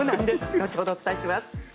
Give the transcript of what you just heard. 後ほどお伝えします。